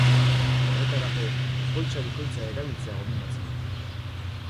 Horretarako, poltsa bikoitza erabiltzea gomendatzen da.